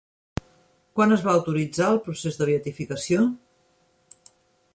Quan es va autoritzar el procés de beatificació?